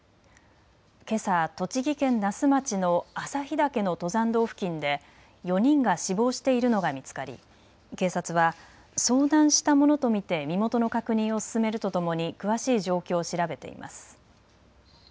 けさ栃木県那須町の朝日岳の登山道付近で４人が死亡しているのが見つかり警察は遭難したものと見て身元の確認を進めるとともに詳しい状況を調べています。